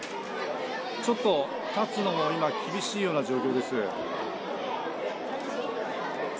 ちょっと立つのが厳しいような状況です。